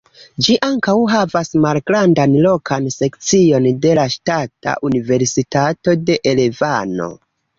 Ĝi ankaŭ havas malgrandan lokan sekcion de la Ŝtata Universitato de Erevano.